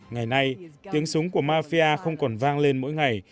ngày nay tiếng súng của mafia không còn vang lên mỗi ngày